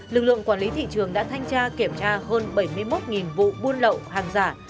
lực lượng quản lý thị trường đã thanh tra kiểm tra hơn bảy mươi một vụ buôn lậu hàng giả